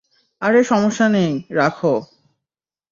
আরে সমস্যা নেই, রাখ।